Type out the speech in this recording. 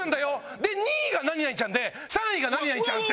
で「２位が何々ちゃんで３位が何々ちゃん」って。